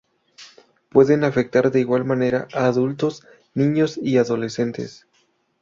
Pueden afectar de igual manera a adultos, niños y adolescentes.